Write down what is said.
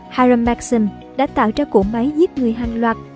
harem maxim đã tạo ra cỗ máy giết người hàng loạt